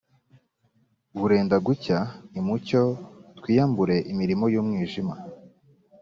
burenda gucya, nimucyo twiyambure imirimo y’umwijima